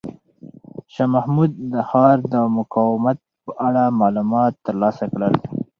شاه محمود د ښار د مقاومت په اړه معلومات ترلاسه کړل.